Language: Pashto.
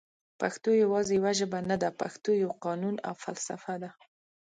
پښتو یواځي یوه ژبه نده پښتو یو قانون او فلسفه ده